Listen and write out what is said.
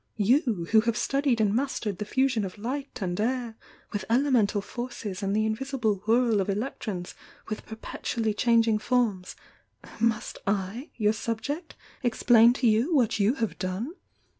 You, who have studied and mastered the fusion of light and air with elemental forces and the invisible whirl of elec trons with perpetually changing forms, must I, your subject, explain to you what you have done?